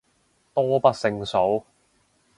多不勝數